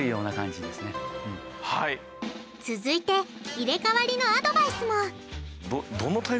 続いて入れかわりのアドバイスも！